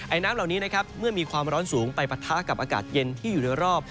น้ำเหล่านี้นะครับเมื่อมีความร้อนสูงไปปะทะกับอากาศเย็นที่อยู่ในรอบ